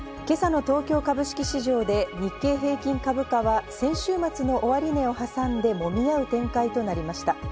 今朝の東京株式市場で日経平均株価は先週末の終値を挟んで、もみ合う展開となりました。